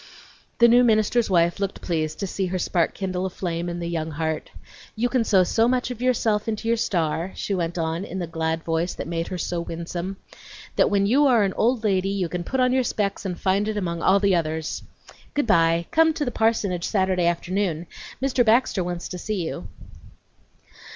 The new minister's wife looked pleased to see her spark kindle a flame in the young heart. "You can sew so much of yourself into your star," she went on in the glad voice that made her so winsome, "that when you are an old lady you can put on your specs and find it among all the others. Good by! Come up to the parsonage Saturday afternoon; Mr. Baxter wants to see you."